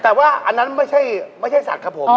แต่ว่าอันนั้นไม่ใช่สัตว์ครับผม